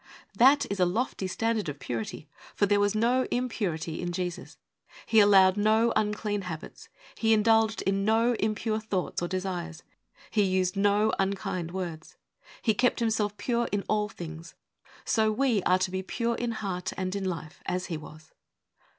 That is a lofty standard of purity, for there was no impurity in Jesus. He allowed no unclean habits. He indulged in no impure thoughts or desires. He used no unkind words. He kept Himself pure in all things. So we are to be pure in heart and in life, as He was.